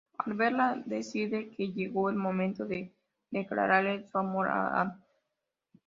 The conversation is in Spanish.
Al verla, decide que llegó el momento de declararle su amor a Ann.